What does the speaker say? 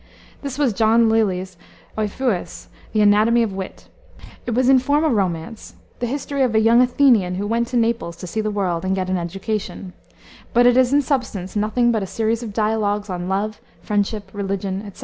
This was John Lyly's Euphues, the Anatomy of Wit. It was in form a romance, the history of a young Athenian who went to Naples to see the world and get an education; but it is in substance nothing but a series of dialogues on love, friendship, religion, etc.